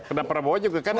karena prabowo juga kan